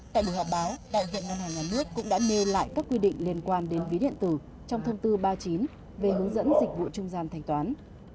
tại buổi họp báo đại diện ngân hàng nhà nước cũng đã nêu lại các quy định liên quan đến ví điện tử trong thông tư ba mươi chín về hướng dẫn dịch vụ trung gian thanh toán